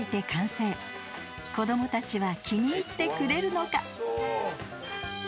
［子供たちは気に入ってくれるのか？］